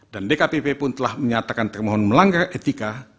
dan dkpp pun telah menyatakan termohon melanggar etika